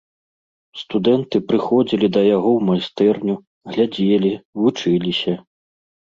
Студэнты прыходзілі да яго ў майстэрню, глядзелі, вучыліся.